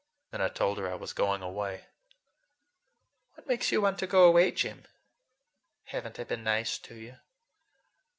Then I told her I was going away. "What makes you want to go away, Jim? Have n't I been nice to you?"